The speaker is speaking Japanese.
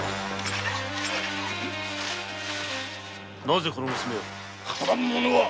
なぜこの娘を？